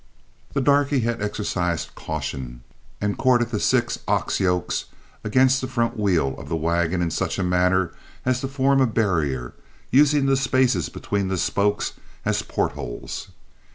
The darky had exercised caution and corded the six ox yokes against the front wheel of the wagon in such a manner as to form a barrier, using the spaces between the spokes as port holes.